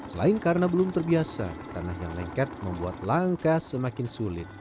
selain karena belum terbiasa tanah yang lengket membuat langka semakin sulit